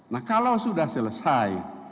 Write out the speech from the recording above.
nah kalau sudah selesai